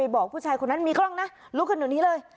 บอกผู้ชายคนนั้นมีกล้องนะลุกขึ้นเดี๋ยวนี้เลย